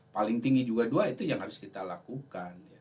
paling tinggi juga dua itu yang harus kita lakukan